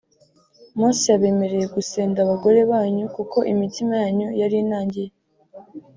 “Mose yabemereye gusenda abagore banyu kuko imitima yanyu yari inangiye